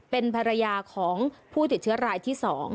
เป็นภรรยาของผู้ติดเชื้อรายที่๒